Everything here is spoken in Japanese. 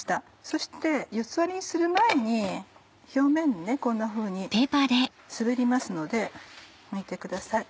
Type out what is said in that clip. そして四つ割りにする前に表面にねこんなふうに滑りますのでむいてください。